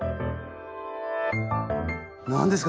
何ですか？